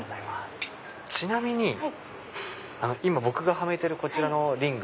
ちなみに今僕がはめてるこちらのリング。